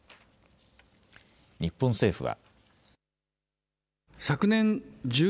日本政府は。